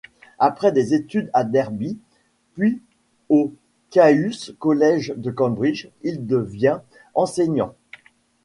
Après des études à Derby puis au Caïus College de Cambridge, il devient enseignant.